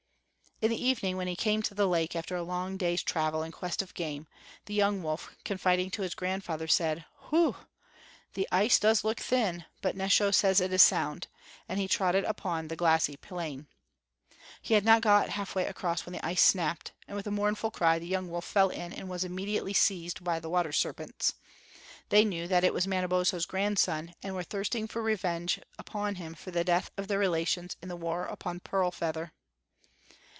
In the evening when he came to the lake, after a long day's travel in quest of game, the young wolf, confiding to his grandfather, said, "Hwooh! the ice does look thin, but Nesho says it is sound"; and he trotted upon the glassy plain. He had not got half way across when the ice snapped, and with a mournful cry, the young wolf fell in and was immediately seized by the water serpents. They knew that it was Manabozho's grandson and were thirsting for revenge upon him for the death of their relations in the war upon Pearl Feather.